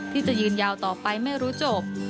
ที่จะยืนยาวต่อไปไม่รู้จบ